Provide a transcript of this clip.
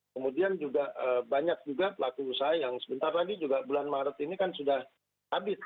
kemudian juga banyak juga pelaku usaha yang sebentar lagi juga bulan maret ini kan sudah habis